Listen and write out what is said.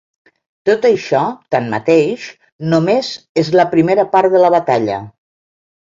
Tot això, tanmateix, només és la primera part de la batalla.